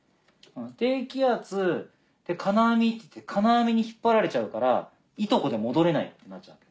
「低気圧」「金網」って行って「金網」に引っ張られちゃうから「いとこ」で戻れないってなっちゃうわけ。